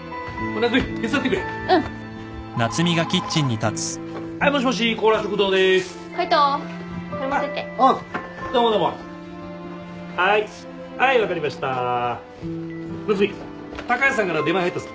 夏海高橋さんから出前入ったぞ。